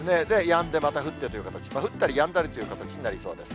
やんでまた降ってという形、降ったりやんだりという形になりそうです。